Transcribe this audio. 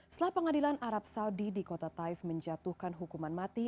setelah pengadilan arab saudi di kota taif menjatuhkan hukuman mati